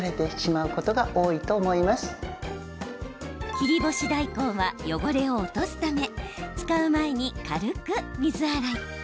切り干し大根は汚れを落とすため使う前に軽く水洗い。